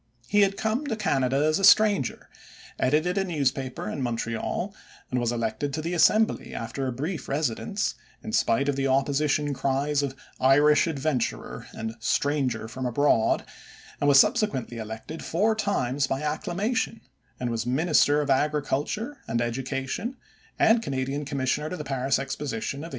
He had come to Canada as a stranger, edited a newspaper in Montreal, and was elected to the Assembly after a brief residence, in spite of the opposition cries of "Irish adventurer" and "stranger from abroad," was subsequently elected four times by acclamation, and was Minister of Agriculture and Education and Canadian Commissioner to the Paris Exposition of 1867.